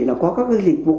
là có các cái dịch vụ